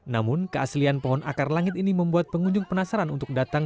namun keaslian pohon akar langit ini membuat pengunjung penasaran untuk datang